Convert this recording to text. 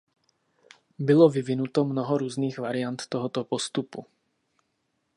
Bylo vyvinuto mnoho různých variant tohoto postupu.